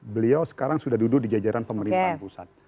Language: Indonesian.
beliau sekarang sudah duduk di jajaran pemerintahan pusat